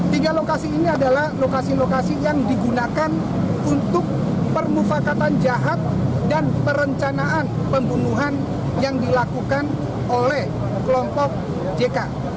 tiga lokasi ini adalah lokasi lokasi yang digunakan untuk permufakatan jahat dan perencanaan pembunuhan yang dilakukan oleh kelompok jk